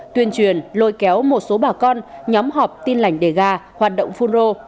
tuyên truyền lôi kéo một số bà con nhóm họp tin lành đề ga hoạt động phun rô